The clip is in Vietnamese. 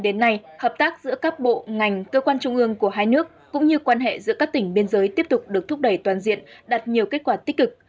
đến nay hợp tác giữa các bộ ngành cơ quan trung ương của hai nước cũng như quan hệ giữa các tỉnh biên giới tiếp tục được thúc đẩy toàn diện đạt nhiều kết quả tích cực